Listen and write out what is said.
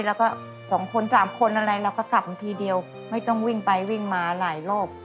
แล้วก็สองคนสามคนอะไรเราก็กลับทีเดียวไม่ต้องวิ่งไปวิ่งมาหลายรอบ